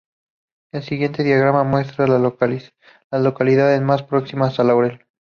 El siguiente diagrama muestra a las localidades más próximas a Laurel.